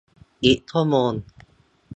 อีกชั่วโมง